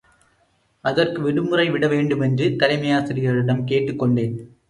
அதற்கு விடுமுறைவிட வேண்டுமென்று தலைமையாசிரியரிடம் கேட்டுக் கொண்டேன்.